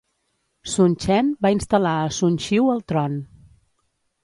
Sun Chen va instal·lar a Sun Xiu al tron.